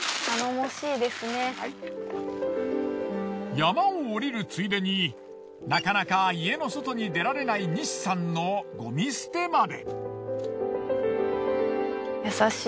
山を下りるついでになかなか家の外に出られない西さんのごみ捨てまで。